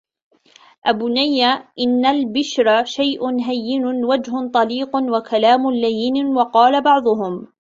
أَبُنَيَّ إنَّ الْبِشْرَ شَيْءٌ هَيِّنٌ وَجْهٌ طَلِيقٌ وَكَلَامٌ لَيِّنٌ وَقَالَ بَعْضُهُمْ